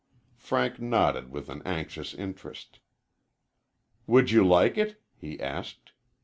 Frank nodded with an anxious interest. "Would you like it?" he asked.